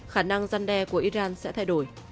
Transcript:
khả năng giăn đe của iran sẽ thay đổi